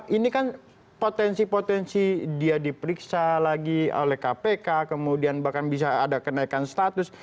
ini kan potensi potensi dia diperiksa lagi oleh kpk kemudian bahkan bisa ada kenaikan status